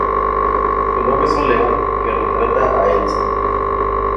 Su logo es un león, que retrata a Elsa.